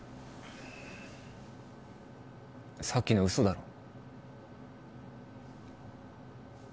さっきの嘘だろ